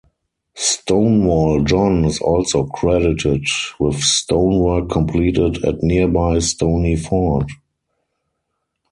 Stonewall John is also credited with stonework completed at nearby Stony Fort.